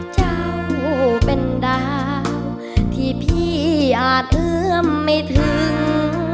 เจ้าเป็นดาวที่พี่อาจเอื้อมไม่ถึง